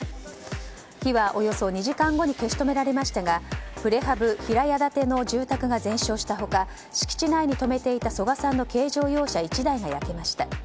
火はおよそ２時間後に消し止められましたがプレハブ平屋建ての住宅が全焼した他敷地内に止めていた曽我さんの軽自動車１台が燃えました。